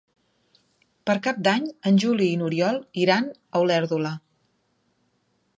Per Cap d'Any en Juli i n'Oriol iran a Olèrdola.